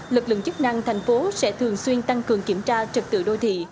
lực lượng chức năng thành phố sẽ thường xuyên tăng cường kiểm tra trực tự đô thị